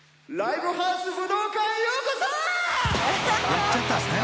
「やっちゃったんですね」